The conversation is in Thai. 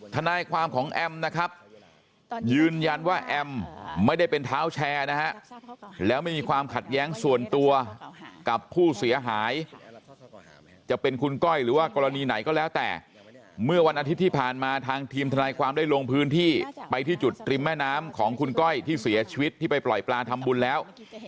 ทนายความของแอมนะครับยืนยันว่าแอมไม่ได้เป็นเท้าแชร์นะฮะแล้วไม่มีความขัดแย้งส่วนตัวกับผู้เสียหายจะเป็นคุณก้อยหรือว่ากรณีไหนก็แล้วแต่เมื่อวันอาทิตย์ที่ผ่านมาทางทีมทนายความได้ลงพื้นที่ไปที่จุดริมแม่น้ำของคุณก้อยที่เสียชีวิตที่ไปปล่อยปลาทำบุญแล้ว